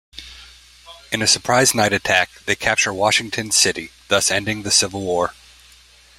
In a surprise night attack they capture Washington City, thus ending the Civil War.